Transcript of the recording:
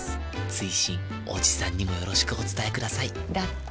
追伸おじさんにもよろしくお伝えくださいだって。